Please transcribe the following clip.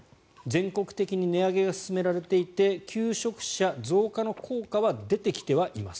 全国的に値上げが進められていて求職者増加の効果は出てきてはいます。